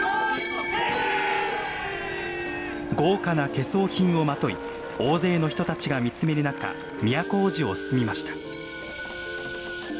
豪華な懸装品をまとい大勢の人たちが見つめる中都大路を進みました。